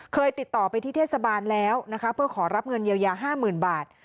ติดต่อไปที่เทศบาลแล้วนะคะเพื่อขอรับเงินเยียวยา๕๐๐๐บาท